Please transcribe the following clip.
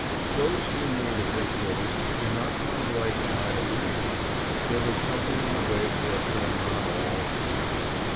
Those who remained at headquarters did not find life an idle dream. There was something in the way of work going on all of the time.